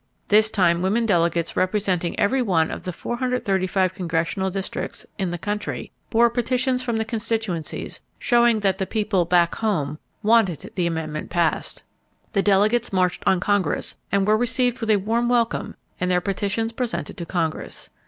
This time women delegates representing every one of the 435 Congressional Districts in the country bore petitions from the constituencies showing that the people "back home" wanted the amendment passed. The delegates marched on Congress and were received with a warm welcome and their petitions presented to Congress.